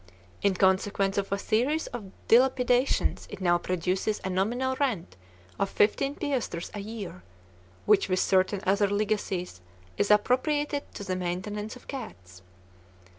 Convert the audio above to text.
In consequence of a series of dilapidations it now produces a nominal rent of fifteen piastres a year, which with certain other legacies is appropriated to the maintenance of cats.